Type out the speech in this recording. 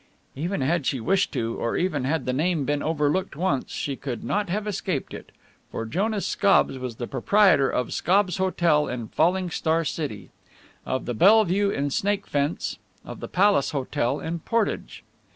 Even had she wished to, or even had the name been overlooked once, she could not have escaped it. For Jonas Scobbs was the proprietor of Scobbs' Hotel in Falling Star City; of the Bellevue in Snakefence, of the Palace Hotel in Portage.